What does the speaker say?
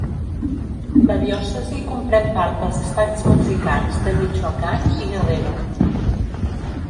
La diòcesi comprèn part dels estats mexicans de Michoacán i Guerrero.